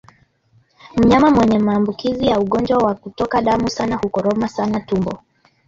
Mnyama mwenye maambukizi ya ugonjwa wa kutoka damu sana hukoroma sana tumbo